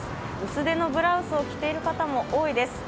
薄手のブラウスを着ている方も多いです。